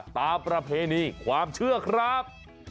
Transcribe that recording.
ประเพณีความเชื่อครับ